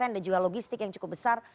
dan juga logistik yang cukup besar